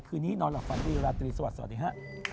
คืนนี้นอนหลับฝันดีราตรีสวัสดีฮะ